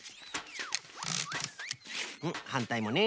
うんはんたいもね。